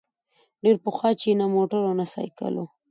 ډېر پخوا چي نه موټر او نه سایکل وو